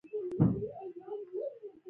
پياله کږه شوه.